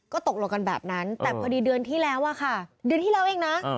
ก็ตกลงกันแบบนั้นแต่พอดีเดือนที่แล้วอะค่ะเดือนที่แล้วเองนะ